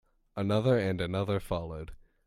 Another and another followed.